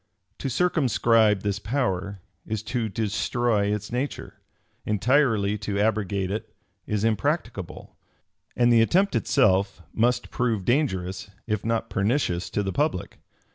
To circumscribe this power, is to destroy its nature: entirely to abrogate it, is impracticable; and the attempt itself must prove dangerous, if not pernicious to the public.